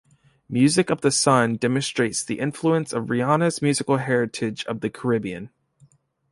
"Music of the Sun" demonstrates the influence of Rihanna's musical heritage of the Caribbean.